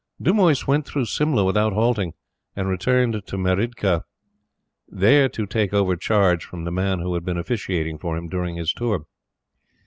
Dumoise went through Simla without halting, and returned to Meridki there to take over charge from the man who had been officiating for him during his tour.